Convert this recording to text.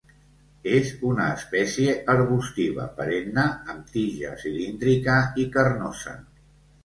És una espècie arbustiva perenne amb tija cilíndrica i carnosa.